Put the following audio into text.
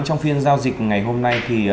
trong phiên giao dịch ngày hôm nay thì